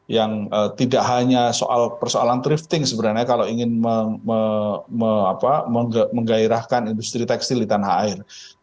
yang tidak hanya soal persoalan thrifting sebenarnya kalau ingin menggairahkan industri tekstil di tanah air